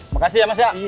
makasih ya mas ya